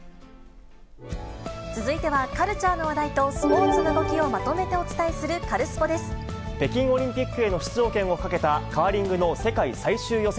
続いては、カルチャーの話題とスポーツの動きをまとめてお伝えするカルスポ北京オリンピックへの出場権をかけた、カーリングの世界最終予選。